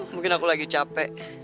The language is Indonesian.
mungkin aku lagi capek